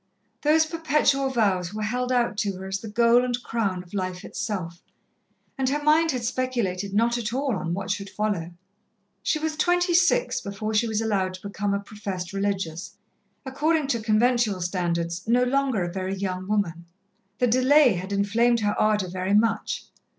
Those perpetual vows were held out to her as the goal and crown of life itself, and her mind had speculated not at all on what should follow. She was twenty six before she was allowed to become a professed religious according to conventual standards, no longer a very young woman. The delay had inflamed her ardour very much.